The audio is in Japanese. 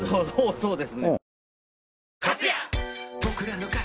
そうですね。